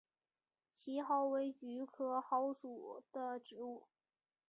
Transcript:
奇蒿为菊科蒿属的植物。